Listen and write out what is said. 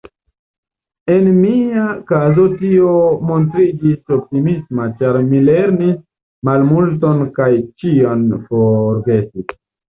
En mia kazo tio montriĝis optimisma, ĉar mi lerrnis malmulton kaj ĉion forgesis.